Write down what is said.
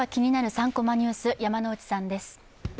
３コマニュース」、山内さんです。